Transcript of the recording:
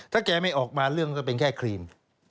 ถ้าแกไม่ออกมาเรื่องก็เป็นแค่ครีม